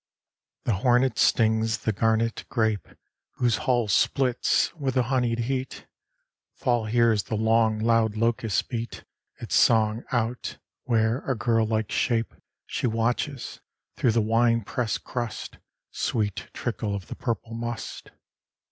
VII The hornet stings the garnet grape, Whose hull splits with the honeyed heat; Fall hears the long loud locust beat Its song out, where, a girl like shape, She watches, through the wine press' crust, Sweet trickle of the purple must.